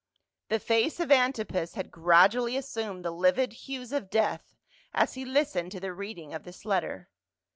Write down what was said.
The face of Antipas had gradually assumed the livid hues of death as he listened to the reading of this letter.